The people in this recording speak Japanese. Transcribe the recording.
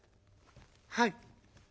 「はい。